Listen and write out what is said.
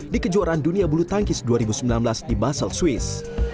di kejuaraan dunia bulu tangkis dua ribu sembilan belas di basel swiss